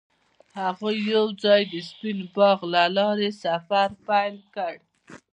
هغوی یوځای د سپین باغ له لارې سفر پیل کړ.